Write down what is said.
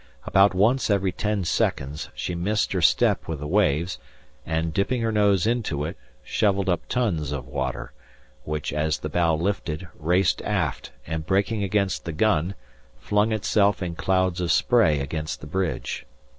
About once every ten seconds she missed her step with the waves and, dipping her nose into it, shovelled up tons of water, which, as the bow lifted, raced aft and, breaking against the gun, flung itself in clouds of spray against the bridge.